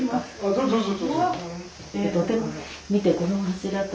どうぞどうぞ。